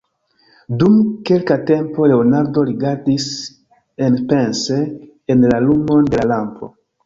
Dum kelka tempo Leonardo rigardis enpense en la lumon de la lampo.